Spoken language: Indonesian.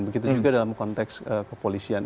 begitu juga dalam konteks kepolisian